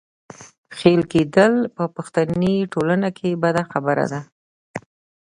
ښېل کېدل په پښتني ټولنه کې بده خبره ده.